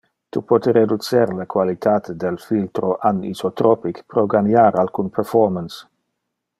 Tu pote reducer le qualitate del filtro an-isotropic pro ganiar alcun performance.